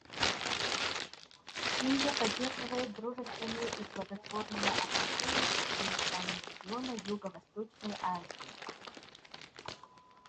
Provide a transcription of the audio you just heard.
Индия поддерживает дружественные и плодотворные отношения со всеми странами региона Юго-Восточной Азии.